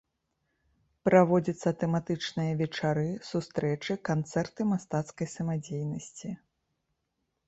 Праводзяцца тэматычныя вечары, сустрэчы, канцэрты мастацкай самадзейнасці.